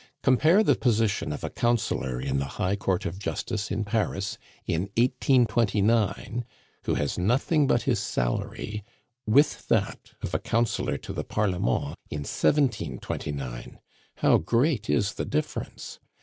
Compare the position of a councillor in the High Court of Justice in Paris, in 1829, who has nothing but his salary, with that of a councillor to the Parlement in 1729. How great is the difference!